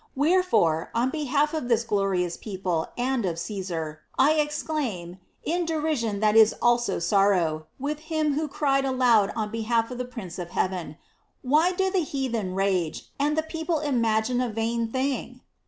Wherefore, on behalf of this glorious people and of Caesar I exclaim, in derision that is also sorrow, with him who cried aloud on behalf of the Prince of heaven, " Why do the heathen rage, and the people im agine a vain thing